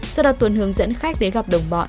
sau đó tuấn hướng dẫn khách đến gặp đồng bọn